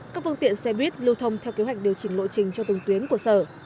các phương tiện xe buýt lưu thông theo kế hoạch điều chỉnh lộ trình cho từng tuyến của sở